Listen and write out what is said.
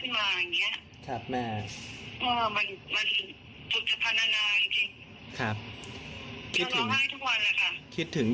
คือมันสุจภัณฑ์นานาจริงจนร้องไห้ทุกวันแหละค่ะ